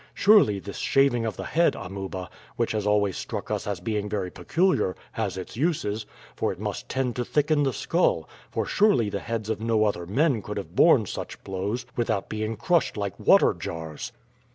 "Surely this shaving of the head, Amuba, which has always struck us as being very peculiar, has its uses, for it must tend to thicken the skull, for surely the heads of no other men could have borne such blows without being crushed like water jars."